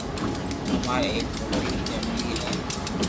امارآ ايڪ موٽي فآملي ھي